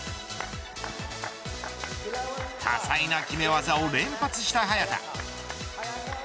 多彩な決め技を連発した早田。